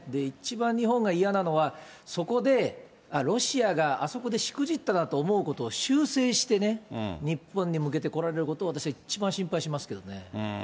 一番日本が嫌なのは、そこでロシアが、あそこでしくじったなと思うことを修正してね、日本に向けてこられることを一番心配してますけどね。